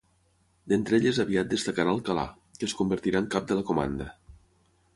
D'entre elles aviat destacarà Alcalà, que es convertirà en cap de la comanda.